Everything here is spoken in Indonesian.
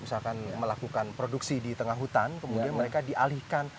jika selama ini mereka lebih melakukan produksi di tengah hutan kemudian mereka dialihkan